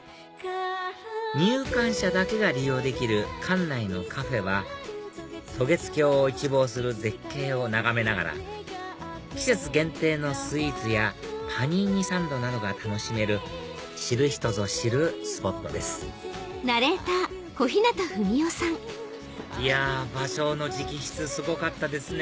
入館者だけが利用できる館内のカフェは渡月橋を一望する絶景を眺めながら季節限定のスイーツやパニーニサンドなどが楽しめる知る人ぞ知るスポットですいや芭蕉の直筆すごかったですね